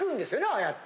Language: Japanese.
ああやって。